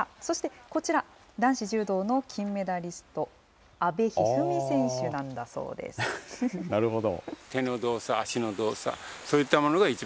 そしてこちら、男子柔道の金メダリスト、阿部一二三選手なんだそなるほど。